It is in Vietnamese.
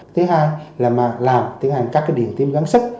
thứ hai là tiến hành các cái điện tim gắn sức